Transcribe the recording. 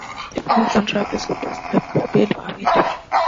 The film soundtrack is composed by Habib Wahid.